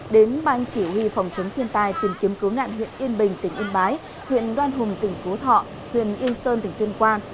đến ban chỉ huy phòng chống thiên tai tìm kiếm cứu nạn huyện yên bình tỉnh yên bái huyện đoan hùng tỉnh phú thọ huyện yên sơn tỉnh tuyên quang